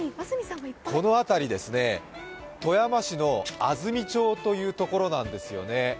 この辺り、富山市の安住町というところなんですよね。